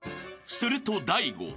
［すると大悟］